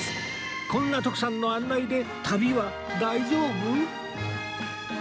こんな徳さんの案内で旅は大丈夫？